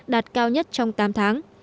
đạt cao nhất trong tám tháng